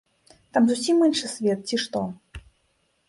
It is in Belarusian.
Там зусім іншы свет, ці што?